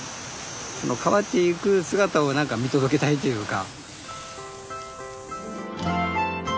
その変わっていく姿を何か見届けたいっていうか。